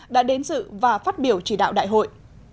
đã đến dự và phát biểu chỉ đạo đại hội